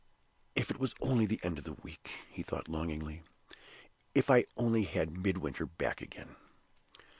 "If it was only the end of the week!" he thought, longingly. "If I only had Midwinter back again!"